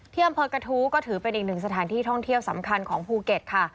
อำเภอกระทู้ก็ถือเป็นอีกหนึ่งสถานที่ท่องเที่ยวสำคัญของภูเก็ตค่ะ